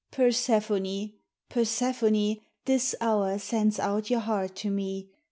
Persephone, Persephone, this hour sends out your heart to me.